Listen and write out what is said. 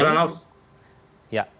ya terima kasih